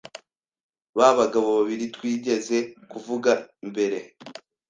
Ba bagabo babiri twigeze kuvuga mbere